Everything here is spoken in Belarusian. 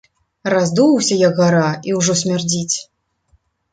Раздуўся, як гара, і ўжо смярдзіць.